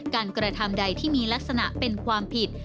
กระทำใดที่มีลักษณะเป็นความผิด